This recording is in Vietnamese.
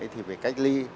thì phải cách ly